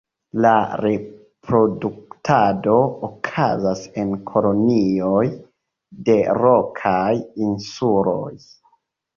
La reproduktado okazas en kolonioj de rokaj insuloj.